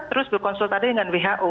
terus berkonsultasi dengan who